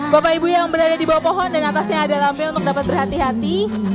bapak ibu yang berada di bawah pohon dan atasnya ada lampil untuk dapat berhati hati